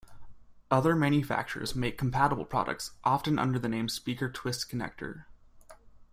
Other manufacturers make compatible products, often under the name speaker twist connector.